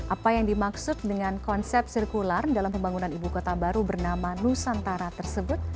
apa yang dimaksud dengan konsep sirkular dalam pembangunan ibu kota baru bernama nusantara tersebut